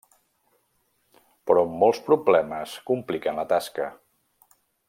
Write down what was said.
Però molts problemes compliquen la tasca.